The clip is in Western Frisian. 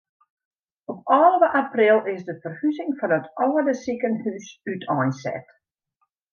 Op alve april is de ferhuzing fan it âlde sikehús úteinset.